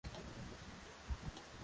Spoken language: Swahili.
Wa mimi sibanduki, ni radhi nilaumiwe.